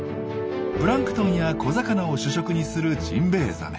プランクトンや小魚を主食にするジンベエザメ。